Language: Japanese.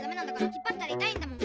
ひっぱったらいたいんだもん。